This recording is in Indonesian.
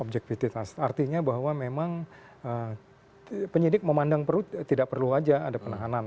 objektivitas artinya bahwa memang penyidik memandang perut tidak perlu saja ada penahanan